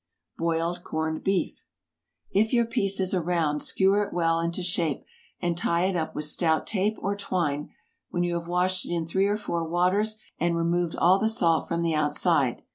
BOILED CORNED BEEF. If your piece is a round, skewer it well into shape, and tie it up with stout tape or twine when you have washed it in three or four waters and removed all the salt from the outside.